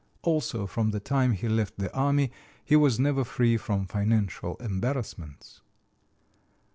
Also from the time he left the army he was never free from financial embarrassments.